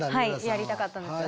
やりたかったです。